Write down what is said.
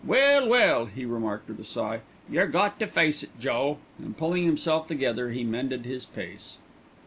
"Well, well!" he remarked with a sigh, "yer got to face it, Joe," and pulling himself together he mended his pace.